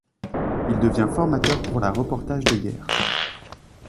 Il devient formateur pour la reportage de guerre.